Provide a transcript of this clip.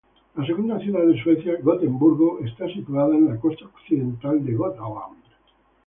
La segunda ciudad de Suecia, Gotemburgo, está situada en la costa occidental de Götaland.